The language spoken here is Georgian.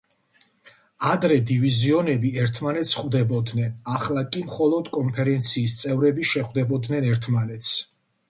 ადრე დივიზიონები ერთმანეთს ხვდებოდნენ, ახლა კი მხოლოდ კონფერენციის წევრები შეხვდებოდნენ ერთმანეთს.